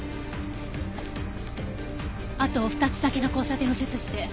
あと２つ先の交差点右折して。